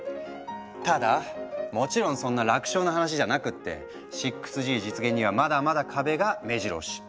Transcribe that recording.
ただもちろんそんな楽勝な話じゃなくって６Ｇ実現にはまだまだ壁がめじろ押し。